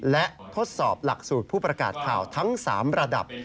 และทดสอบหลักสูตรผู้ประกาศข่าวทั้ง๓ระดับ